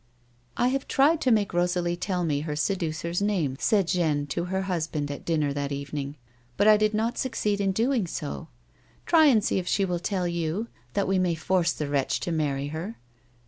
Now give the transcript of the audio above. " I have tried to make Rosalie tell me her seducer's name," said Jeanne to her husband at dinner that evening, " but I did not succeed in doing so. Try and see if she will tell you, that we may force the wretch to marry her."